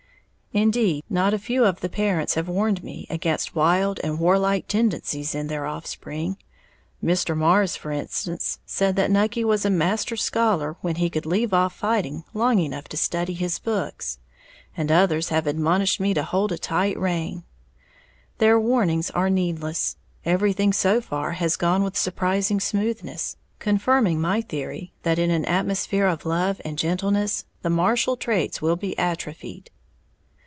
Indeed, not a few of the parents have warned me against wild and warlike tendencies in their offspring, Mr. Marrs, for instance, said that Nucky was a master scholar when he could leave off fighting long enough to study his books, and others have admonished me to hold a tight rein. Their warnings are needless, everything so far has gone with surprising smoothness, confirming my theory that in an atmosphere of love and gentleness the martial traits will be atrophied.